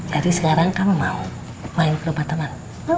jadi sekarang kamu mau main kerubah temen